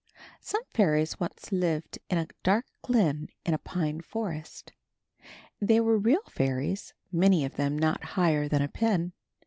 Some fairies once lived in a dark glen in a pine forest. They were real fairies, many of them not higher than a pin.